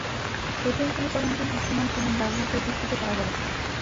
প্রথম সমীকরণটি দৃশ্যমান প্রমাণ ব্যবহার করে চিত্রিত করা যাবে।